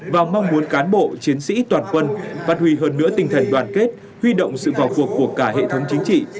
và mong muốn cán bộ chiến sĩ toàn quân phát huy hơn nữa tinh thần đoàn kết huy động sự vào cuộc của cả hệ thống chính trị